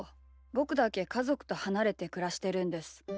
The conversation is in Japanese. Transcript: ぼくだけかぞくとはなれてくらしてるんです。